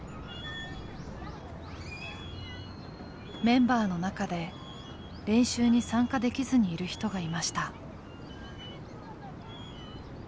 メンバーの中で練習に参加できずにいる人がいました。